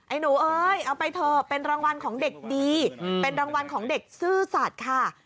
หนูเอ้ยเอาไปเถอะเป็นรางวัลของเด็กดีเป็นรางวัลของเด็กซื่อสัตว์ค่ะ